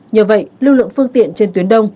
nhờ vậy lưu lượng phương tiện trên tuyến đông